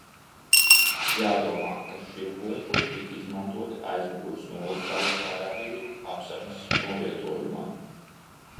Jādomā, ka šie bunkuri tika izmantoti aizmugures noliktavu karavīru apsardzes novietojumam.